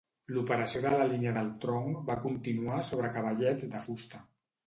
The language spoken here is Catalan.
L'operació de la línia del tronc va continuar sobre cavallets de fusta.